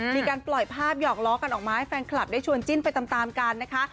มีการปล่อยภาพหยอกล้อกันออกมาให้แฟนคลับได้ชวนจิ้นไปตามกันนะคะ